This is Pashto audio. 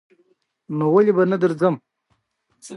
وینز ښار د ټاپوګانو ټولګه ده